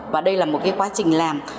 và đây là một cái quá trình làm